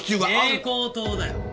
蛍光灯だよ。